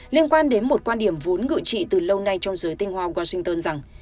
liên quan đến một quan điểm vốn ngự trị từ lâu nay trong giới tinh hoa washington rằng